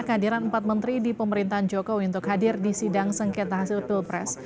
kehadiran empat menteri di pemerintahan jokowi untuk hadir di sidang sengketa hasil pilpres